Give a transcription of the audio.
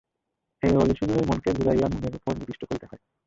এ অনুশীলনে মনকে ঘুরাইয়া মনেরই উপর নিবিষ্ট করিতে হয়।